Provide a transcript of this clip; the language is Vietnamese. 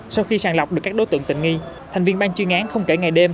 sau khi sàng lọc được các đối tượng tình nghi thành viên ban chuyên án không kể ngày đêm